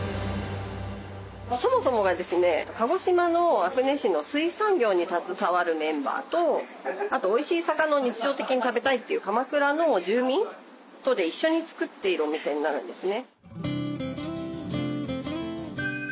そもそもがですね鹿児島の阿久根市の水産業に携わるメンバーとあとおいしい魚を日常的に食べたいという鎌倉の住民とで一緒に作っているお店になるんですね。